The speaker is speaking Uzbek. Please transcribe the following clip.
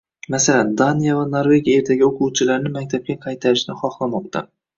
Masalan, Daniya va Norvegiya ertaga o'quvchilarni maktabga qaytarishni xohlamoqda